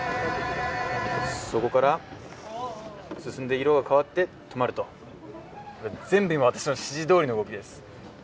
そこから進んで色が変わって止まると全部、私の指示通りの動きです。